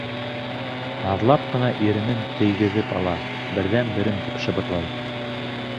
Наҙлап ҡына иренен тейгеҙеп ала, «берҙән-берем» тип шыбырлай.